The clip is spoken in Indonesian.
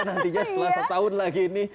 nantinya setelah satu tahun lagi ini